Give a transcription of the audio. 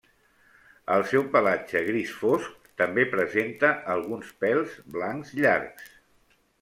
El seu pelatge gris fosc també presenta alguns pèls blancs llargs.